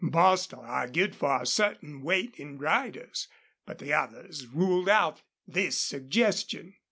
Bostil argued for a certain weight in riders, but the others ruled out this suggestion.